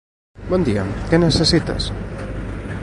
Bon dia, què necessites?